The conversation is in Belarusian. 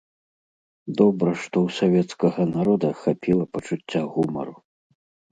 Добра, што ў савецкага народа хапіла пачуцця гумару.